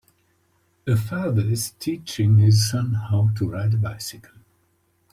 A father is teaching his son how to ride a bicycle.